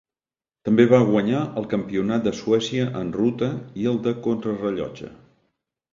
També va guanyar el Campionat de Suècia en ruta i el de contrarellotge.